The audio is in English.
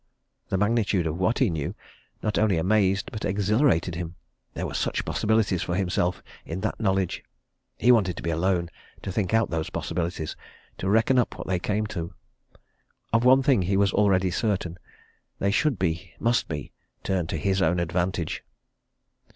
The magnitude of what he knew not only amazed but exhilarated him. There were such possibilities for himself in that knowledge. He wanted to be alone, to think out those possibilities; to reckon up what they came to. Of one thing he was already certain they should be, must be, turned to his own advantage.